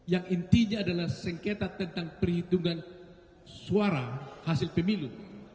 yang intinya adalah sengketa tentang perhitungan suara hasil pemilu